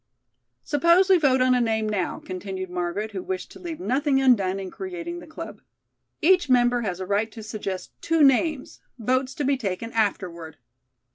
"Suppose we vote on a name now," continued Margaret who wished to leave nothing undone in creating the club. "Each member has a right to suggest two names, votes to be taken afterward."